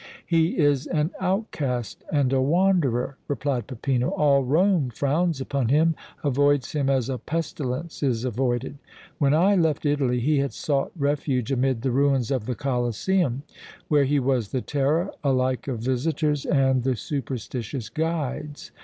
"He is an outcast and a wanderer," replied Peppino. "All Rome frowns upon him, avoids him as a pestilence is avoided. When I left Italy he had sought refuge amid the ruins of the Colosseum, where he was the terror alike of visitors and the superstitious guides.